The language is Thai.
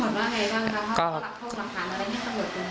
ตำรวจบอกว่าไงบ้างนะ